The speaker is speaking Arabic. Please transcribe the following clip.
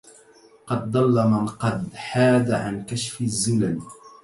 قد ضل من قد حاد عن كشف الزلل